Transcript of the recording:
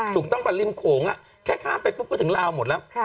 ถูกต้องป่ะริมโขงแค่ข้ามไปปุ๊บก็ถึงลาวหมดแล้ว